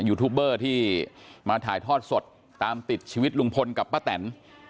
ยูทูบเบอร์ที่มาถ่ายทอดสดตามติดชีวิตลุงพลกับป้าแตน